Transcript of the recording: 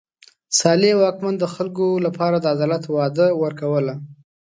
صالح واکمن د خلکو لپاره د عدالت وعده ورکوله.